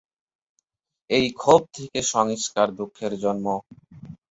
এই ক্ষোভ থেকে সংস্কার দুঃখের জন্ম।